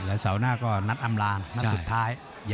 แล้วเสาร์หน้าก็นัดอำลางนัดสุดท้าย